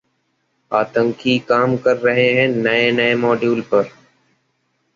आतंकी काम कर रहे हैं नए-नए मॉडयूल पर